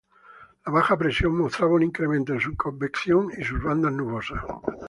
La baja presión, mostraba un incremento en su convección y sus bandas nubosas.